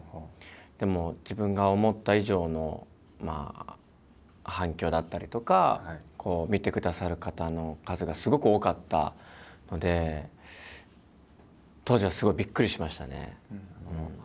でも自分が思った以上のまあ反響だったりとか見てくださる方の数がすごく多かったので当時はすごいびっくりしましたね。